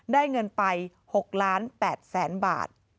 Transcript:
ได้เงินไป๖๘๐๐๐๐๐บาท